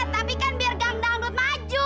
tapi kan biar gam dangdut maju